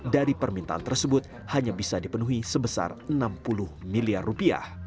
dari permintaan tersebut hanya bisa dipenuhi sebesar enam puluh miliar rupiah